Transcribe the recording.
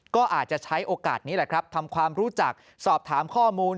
ก็อาจจะใช้โอกาสนี้แหละครับทำความรู้จักสอบถามข้อมูล